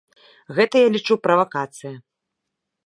Гэта, я лічу, правакацыя.